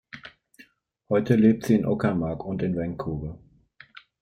Heute lebt sie in der Uckermark und in Vancouver.